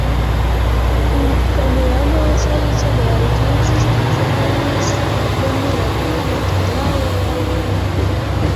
Osiyo taraqqiyot banki vitse-prezidenti Shiksin Chen boshchiligidagi delegatsiya Farg‘onada bo‘ldi